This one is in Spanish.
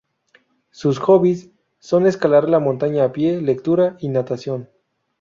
Sus hobbies son escalar la montaña a pie, lectura y natación.